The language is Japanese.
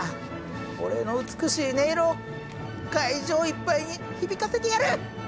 俺の美しい音色を会場いっぱいに響かせてやる！